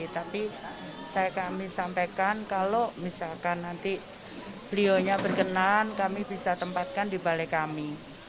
tapi saya kami sampaikan kalau misalkan nanti beliaunya berkenan kami bisa tempatkan di balai kami